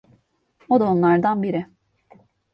O da onlardan biri.